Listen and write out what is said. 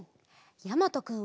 やまとくん。